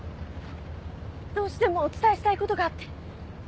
どうしてもお伝えしたいことがあって。